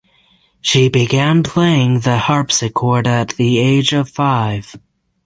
She began playing the harpsichord at the age of five.